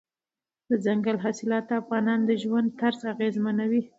دځنګل حاصلات د افغانانو د ژوند طرز اغېزمنوي.